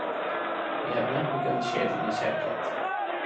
He had not begun shaving his head yet.